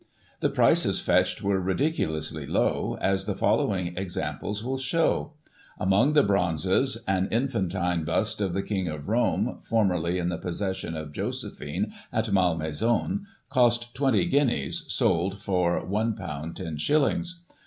The prices fetched were ridiculously low, as the following examples will show. Among the bronzes, an infantine bust of the King of Rome, formerly in the possession of Josephine, at Malmaison, cost 20 guineas, sold for ;6"i los.